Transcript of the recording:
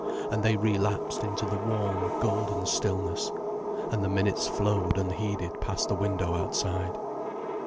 And they relapsed into the warm, golden stillness. And the minutes flowed unheeded past the window outside.